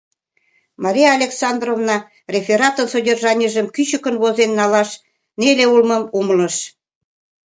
Мария Александровна рефератын содержанийжым кӱчыкын возен налаш неле улмым умылыш.